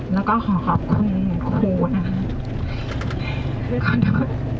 แล้วก็ขอขอบคุณครูนะคะ